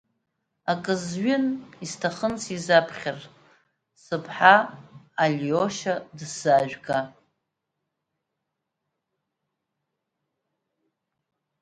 Акы зҩын, исҭахын сизаԥхьар, сыԥҳа, Алиошьа дысзаажәга!